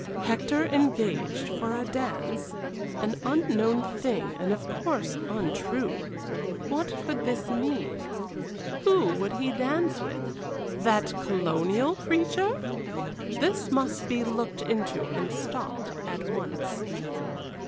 Hector engaged for a dance? An unknown thing, and of course untrue. What could this mean? Who would he dance with? That colonial creature? This must be looked into and stopped at once.